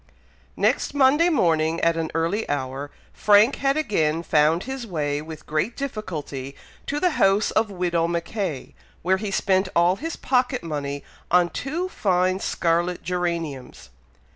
Next Monday morning, at an early hour, Frank had again found his way with great difficulty to the house of Widow Mackay, where he spent all his pocket money on two fine scarlet geraniums.